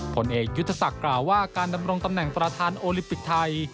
ผลเอกยุทธศักดิ์กล่าวว่าการดำรงตำแหน่งประธานโอลิมปิกไทย